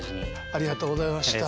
ありがとうございます。